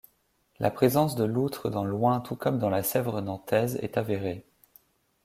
La présence de loutres dans l'Ouin tout comme dans la Sèvre nantaise est avérée.